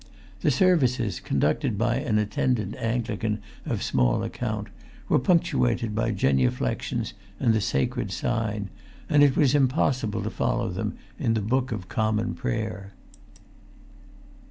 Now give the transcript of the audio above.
The services, conducted by an attendant Anglican of small account, were punctuated by genuflexions and the sacred sign; and it was impossible to follow them in the Book of Common Prayer.